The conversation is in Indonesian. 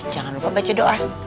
jangan lupa baca doa